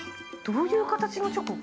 ◆どういう形のチョコ？